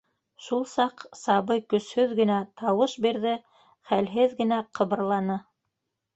Шул саҡ сабый көсһөҙ генә тауыш бирҙе, хәлһеҙ генә ҡыбырланы.